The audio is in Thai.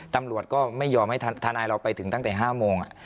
ตำรวจก็ไม่ยอมให้ทนายเราไปถึงตั้งแต่๕โมง